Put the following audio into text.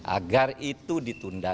agar itu ditunda